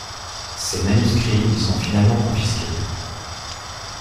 Ses manuscrits lui sont finalement confisqués.